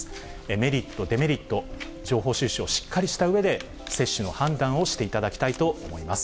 メリット、デメリット、情報収集をしっかりしたうえで、接種の判断をしていただきたいと思います。